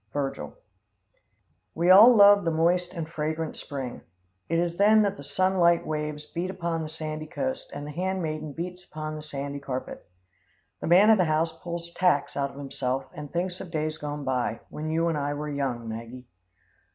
Virgil. We all love the moist and fragrant spring. It is then that the sunlight waves beat upon the sandy coast, and the hand maiden beats upon the sandy carpet. The man of the house pulls tacks out of himself and thinks of days gone by, when you and I were young, Maggie.